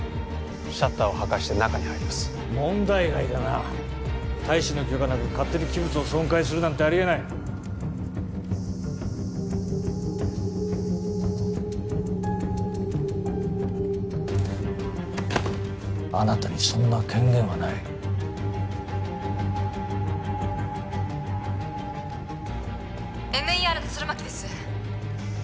シャッターを破壊して中に入ります問題外だな大使の許可なく勝手に器物を損壊するなんてありえないあなたにそんな権限はないＭＥＲの弦巻です